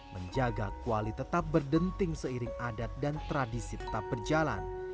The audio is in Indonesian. menjaga kuali tetap berdenting seiring adat dan tradisi tetap berjalan